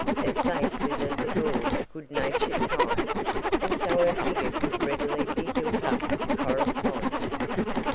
Her face was of the broad, good natured type, and so her figure could readily be built up to correspond.